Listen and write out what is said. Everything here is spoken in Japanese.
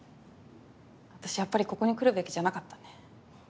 私やっぱりここに来るべきじゃなかったね。